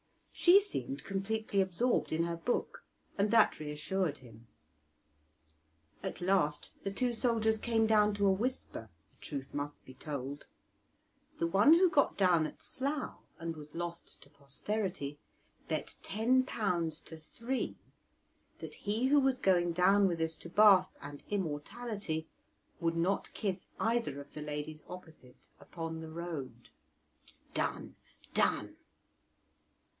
She seemed completely absorbed in her book, and that reassured him. At last the two soldiers came down to a whisper (the truth must be told); the one who got down at Slough, and was lost to posterity, bet ten pounds to three that he who was going down with us to Bath and immortality would not kiss either of the ladies opposite upon the road. "Done, done!"